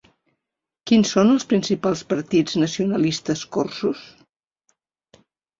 Quins són els principals partits nacionalistes corsos?